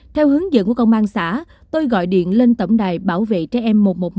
theo hướng dẫn của công an xã tôi gọi điện lên tổng đài bảo vệ trẻ em một trăm một mươi một